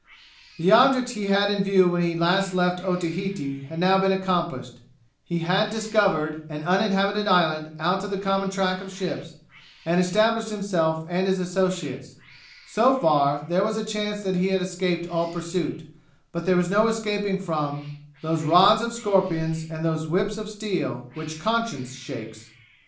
The object he had in view when he last left Otaheite had now been accomplished; he had discovered an uninhabited island out of the common track of ships, and established himself and his associates; so far there was a chance that he had escaped all pursuit; but there was no escaping from Those rods of scorpions and those whips of steel Which conscience shakes.